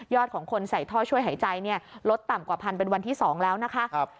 ของคนใส่ท่อช่วยหายใจเนี่ยลดต่ำกว่าพันเป็นวันที่๒แล้วนะคะ